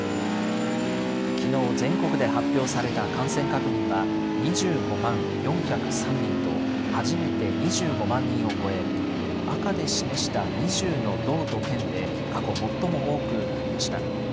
きのう、全国で発表された感染確認は、２５万４０３人と、初めて２５万人を超え、赤で示した２０の道と県で過去最も多くなりました。